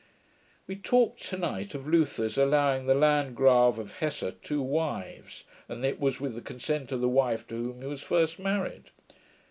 We talked to night of Luther's allowing the Landgrave of Hesse two wives, and that it was with the consent of the wife to whom he was first married.